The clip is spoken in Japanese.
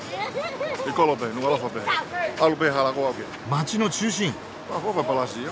街の中心。